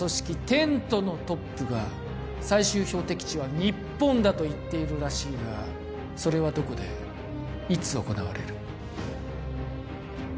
テントのトップが最終標的地は日本だと言っているらしいがそれはどこでいつ行われる？